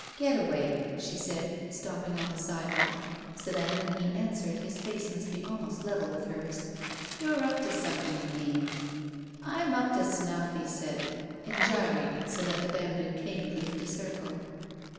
"Getaway," she said, stopping on the sidewalk, so that when he answered his face must be almost level with hers — "you're up to something again." THE VERTICAL CITY "I'm up to snuff,'* he said, and gyrated so that the bamboo cane looped a circle.